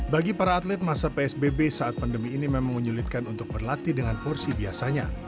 bagi para atlet masa psbb saat pandemi ini memang menyulitkan untuk berlatih dengan porsi biasanya